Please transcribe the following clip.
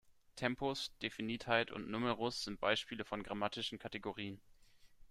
Tempus, Definitheit und Numerus sind Beispiele von grammatischen Kategorien.